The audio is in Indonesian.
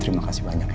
terima kasih banyak ya